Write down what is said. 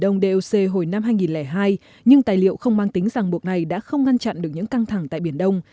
những tài liệu không mang tính rằng buộc này đã không ngăn chặn được những căng thẳng tại biển đông